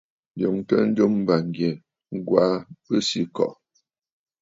Ǹyòŋtə njɨm bàŋgyɛ̀, Ŋ̀gwaa Besǐkɔ̀ʼɔ̀.